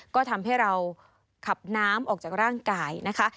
ก็ทำให้เราขับน้ำออกจากร่างกายนะคะ